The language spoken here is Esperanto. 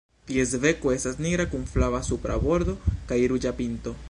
Ties beko estas nigra kun flava supra bordo kaj ruĝa pinto.